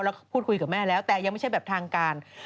แล้วก็พูดคุยกับแม่แล้วแต่ยังไม่ใช่แบบทางการ